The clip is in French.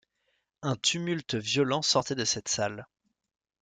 Un tumulte violent sortait de cette salle.